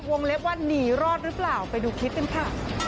เล็บว่าหนีรอดหรือเปล่าไปดูคลิปกันค่ะ